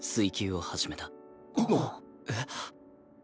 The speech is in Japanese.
えっ？